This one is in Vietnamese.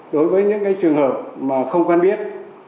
đối với những trường hợp không quan biết